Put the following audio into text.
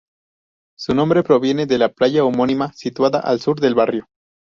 Su nombre proviene de la playa homónima situada al sur del barrio.